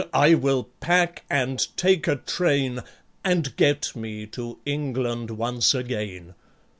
I will pack, and take a train, And get me to England once again!